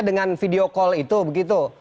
dengan video call itu begitu